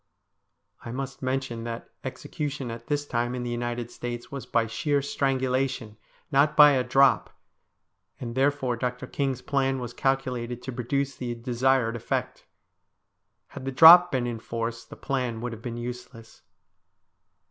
I must mention that execution at this time in the United States was by sheer strangulation, not by a drop, and therefore Dr. King's plan was calculated to produce the desired effect. Had the drop been in force the plan would have been useless.